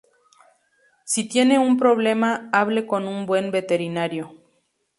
Si tiene un problema, hable con un buen veterinario".